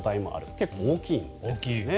結構、大きいんですよね。